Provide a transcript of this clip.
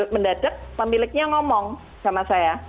mendadak pemiliknya ngomong sama saya